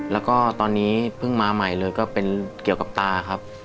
แล้วก็ตอนนี้เพิ่งมาใหม่เลยก็เป็นเกี่ยวกับตาครับ